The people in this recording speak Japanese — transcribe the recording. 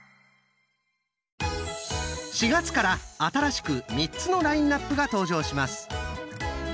４月から新しく３つのラインナップが登場します！